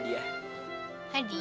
jadi aku mau beri hadiah